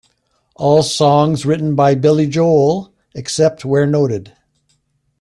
All songs written by Billy Joel, except where noted.